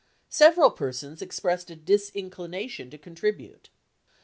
Several persons expressed a disinclination to contribute.